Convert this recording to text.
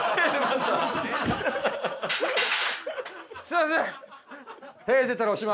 すみません。